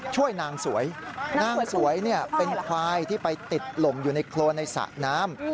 ช่วยนางสวยนางสวยเป็นควายที่ไปติดลมอยู่ในโครนในสระน้ำ